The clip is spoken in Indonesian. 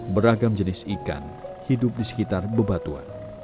beragam jenis ikan hidup di sekitar bebatuan